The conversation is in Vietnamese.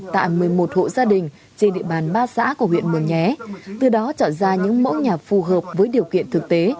tại một mươi một hộ gia đình trên địa bàn ba xã của huyện mường nhé từ đó chọn ra những mẫu nhà phù hợp với điều kiện thực tế